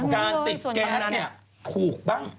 การติดแก๊สเนี่ยถูกบ้าง